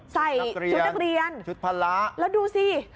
ใส่ชุดนักเรียนชุดพละแล้วดูสิ